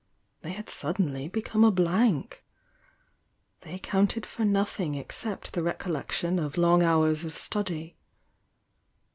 They had suddenly become a blank. They counted for nothing except the recol lection of long hours of study.